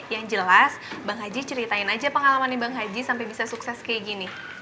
yang jelas bang haji ceritain aja pengalaman nih bang haji sampai bisa sukses kayak gini